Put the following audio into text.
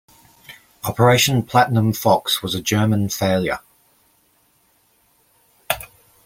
Operation Platinum Fox was a German failure.